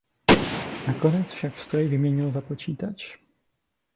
Nakonec však stroj vyměnil za počítač.